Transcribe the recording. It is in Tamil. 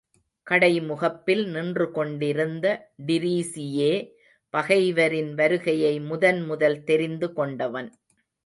கடைமுகப்பில் நின்று கொண்டிருந்த டிரீஸியே பகைவரின் வருகையை முதன் முதல் தெரிந்து கொண்டவன்.